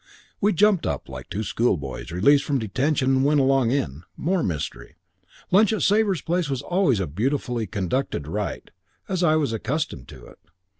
"We jumped up like two schoolboys released from detention and went along in. More mystery. Lunch at Sabre's place was always a beautifully conducted rite, as I was accustomed to it.